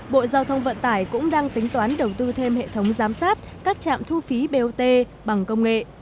bộ giao thông vận tải cũng đang tính toán đầu tư thêm hệ thống giám sát các trạm thu phí bot bằng công nghệ